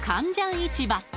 市場